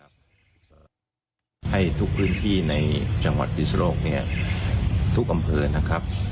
ให้ทุกพื้นที่ในจังหวัดพิศโลกเนี่ยทุกอำเภอนะครับ